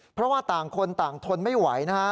เพราะว่าต่างคนต่างทนไม่ไหวนะฮะ